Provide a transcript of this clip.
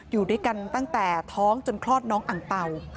อยู่ด้วยกันตั้งแต่ท้องจนคลอดน้องอังเป่า